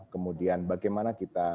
kemudian bagaimana kita